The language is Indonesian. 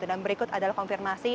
dan berikut adalah konfirmasinya